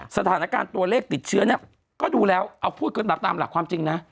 สถานการณ์ตัวเลขติดเชื้อเนี่ยก็ดูแล้วเอาพูดกันแบบตามหลักความจริงนะ